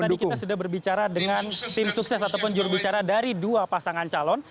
tadi kita sudah berbicara dengan tim sukses ataupun jurubicara dari dua pasangan calon